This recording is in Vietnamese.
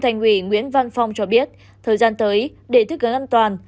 nguyễn văn phong cho biết thời gian tới để thức gắn an toàn